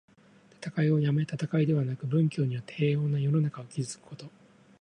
戦いをやめ、戦いではなく、文教によって平穏な世の中を築くこと。